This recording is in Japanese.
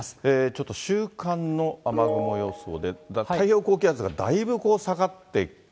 ちょっと週間の雨雲予想で、太平洋高気圧がだいぶ下がってきますね。